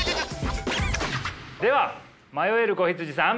では迷える子羊さん。